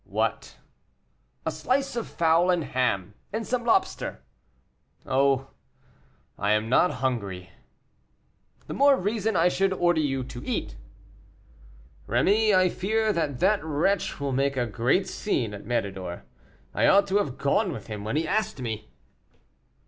"What?" "A slice of fowl and ham, and some lobster." "Oh, I am not hungry." "The more reason I should order you to eat." "Rémy, I fear that that wretch will make a great scene at Méridor. I ought to have gone with him when he asked me."